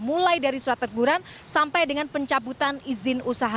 mulai dari surat teguran sampai dengan pencabutan izin usaha